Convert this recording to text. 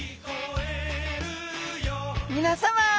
みなさま！